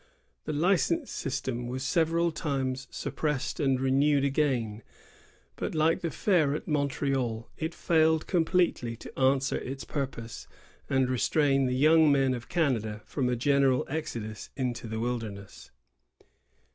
The license system was several times suppressed and renewed again; but, like the fair at Montreal, it failed com pletely to answer its purpose, and restrain the young men of Canada from a general exodus into the wildemess.